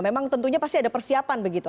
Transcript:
memang tentunya pasti ada persiapan begitu